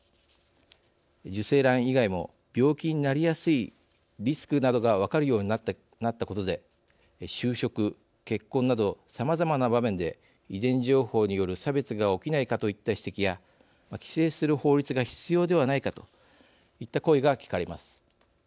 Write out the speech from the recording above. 受精卵以外も病気になりやすいリスクなどが分かるようになったことで就職結婚などさまざまな場面で遺伝情報による差別が起きないかといった指摘や規制する法律が必要ではないかといった声が聞かれます。